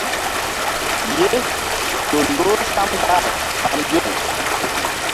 Ye ƴo ndoh sam gar ɓa mbew.